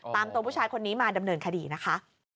ตัวผู้ชายคนนี้มาดำเนินคดีนะคะ